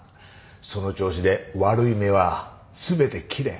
その調子で悪い芽は全て切れ。